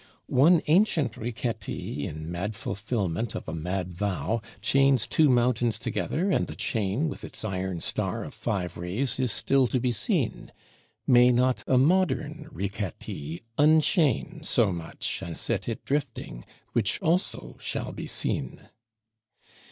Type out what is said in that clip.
One ancient Riquetti, in mad fulfillment of a mad vow, chains two Mountains together, and the chain, with its "iron star of five rays," is still to be seen. May not a modern Riquetti _un_chain so much, and set it drifting which also shall be seen?